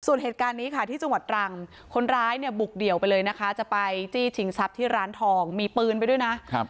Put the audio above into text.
ส่วนเหตุการณ์นี้ค่ะที่จังหวัดตรังคนร้ายเนี่ยบุกเดี่ยวไปเลยนะคะจะไปจี้ชิงทรัพย์ที่ร้านทองมีปืนไปด้วยนะครับ